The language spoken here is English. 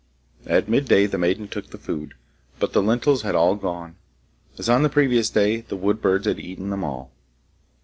At midday the maiden took the food, but the lentils had all gone; as on the previous day, the wood birds had eaten them all.